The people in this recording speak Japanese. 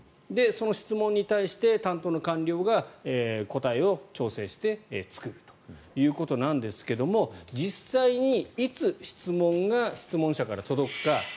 その質問に対して担当の官僚が答えを調整して作るということなんですけども実際にいつ質問が質問者から届くか。